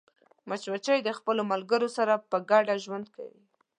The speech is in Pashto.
مچمچۍ د خپلو ملګرو سره په ګډه ژوند کوي